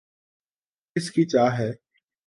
کس کی چاہ ہے